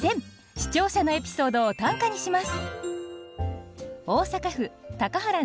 視聴者のエピソードを短歌にします。